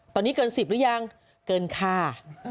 ตอนนี้เกิน๑๐หรือยังเกินค่า